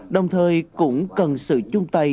đồng thời cũng cần sự chung tay